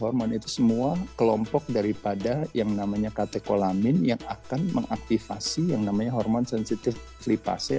hormon itu semua kelompok daripada yang namanya katekolamin yang akan mengaktifasi yang namanya hormon sensitif flypass